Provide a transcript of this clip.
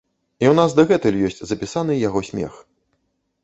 І ў нас дагэтуль ёсць запісаны яго смех.